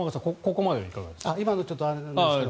ここまででいかがですか。